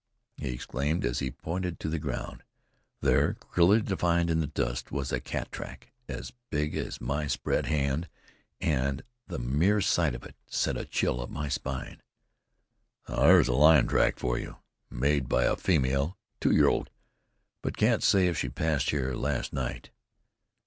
he exclaimed, as he pointed to the ground. There, clearly defined in the dust, was a cat track as big as my spread hand, and the mere sight of it sent a chill up my spine. "There's a lion track for you; made by a female, a two year old; but can't say if she passed here last night.